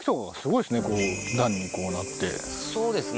そうですね